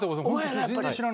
やっぱり。